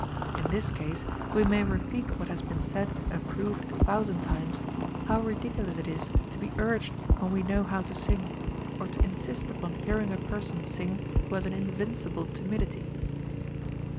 In this case, we may repeat what has been said and proved a thousand times how ridiculous it is to be urged when we know how to sing, or to insist upon hearing a person sing who has an invincible timidity.